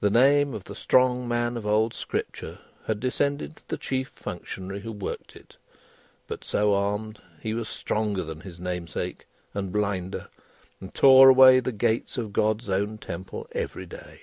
The name of the strong man of Old Scripture had descended to the chief functionary who worked it; but, so armed, he was stronger than his namesake, and blinder, and tore away the gates of God's own Temple every day.